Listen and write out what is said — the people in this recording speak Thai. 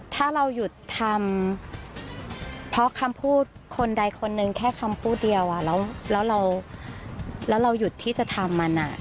ถ้าเราหยุดทำเพราะคำพูดคนใดคนหนึ่งแค่คำพูดเดียวแล้วเราหยุดที่จะทำมัน